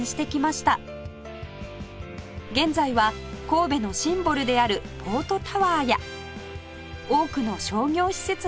現在は神戸のシンボルであるポートタワーや多くの商業施設が立ち並び